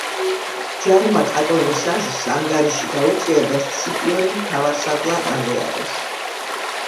ჯარმა კატონის აზრს ანგარიში გაუწია და სციპიონი მთავარსარდლად აღიარეს.